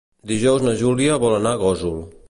Dijous na Júlia vol anar a Gósol.